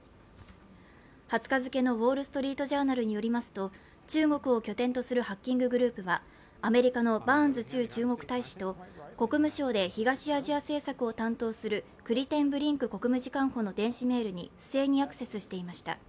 ２０日付けの「ウォール・ストリート・ジャーナル」によりますと中国を拠点とするハッキンググループはアメリカのバーンズ駐中国大使と国務省で東アジア政策を担当するクリテンブリンク国務次官補の電子メールに不正にアクセスしていました。